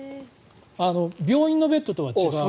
病院のベッドとは違う。